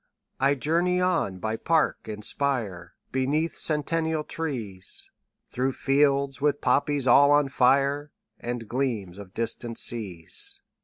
20 I journey on by park and spire, Beneath centennial trees, Through fields with poppies all on fire, And gleams of distant seas.